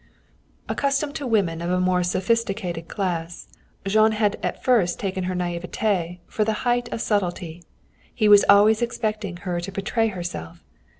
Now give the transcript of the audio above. Accustomed to women of a more sophisticated class, Jean had at first taken her naïveté for the height of subtlety. He was always expecting her to betray herself.